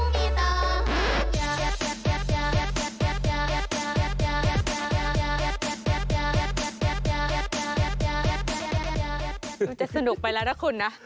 มันจะสนุกไปแล้วนะคุณนะ